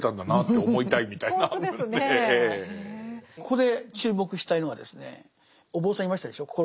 ここで注目したいのはですねお坊さんいましたでしょう。